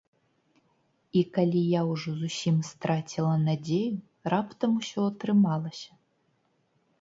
І калі я ўжо зусім страціла надзею, раптам ўсё атрымалася!